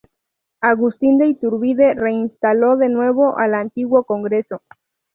Agustín de Iturbide reinstaló de nuevo al antiguo congreso.